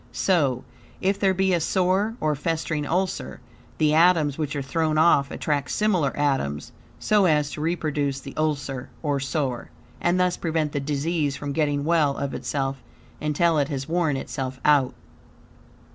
So, if there be a sore, or festering ulcer, the atoms which are thrown off attract similar atoms, so as to reproduce the ulcer or sore, and thus prevent the disease from getting well of itself until it has worn itself out.